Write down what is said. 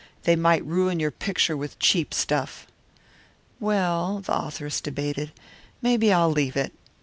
They might ruin your picture with cheap stuff." "Well," the authoress debated, "maybe I'll leave it.